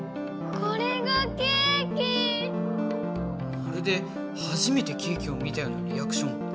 まるではじめてケーキを見たようなリアクション。